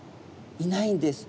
いないんです。